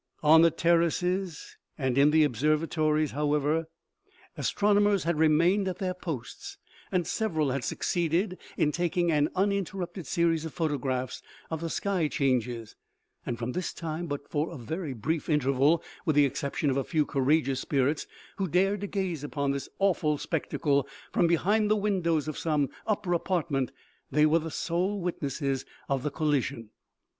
On the terraces and in the observatories, however, the OMEGA, 175 astronomers had remained at their posts, and several had succeeded in taking an uninterrupted series of photographs of the sky changes ; and from this time, but for a very brief interval, with the exception of a few courageous spirits, who dared to gaze upon the awful spectacle from behind the windows of some upper apartment, they were the sole witnesses of the collision.